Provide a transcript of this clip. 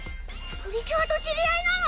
プリキュアと知り合いなの？